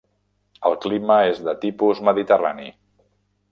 El clima és de tipus mediterrani.